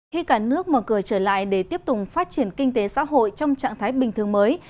khi cả nước mở cửa trở lại để tiếp tục phát triển kinh tế xã hội trong trạng thái bình thường mới